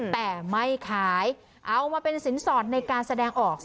แต่ไม่ขายเอามาเป็นสินสอดในการแสดงออก